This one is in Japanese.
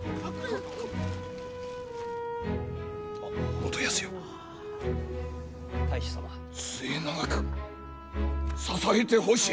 元康よ末永く支えてほしい。